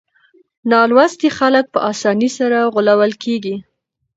نالوستي خلک په اسانۍ سره غولول کېږي.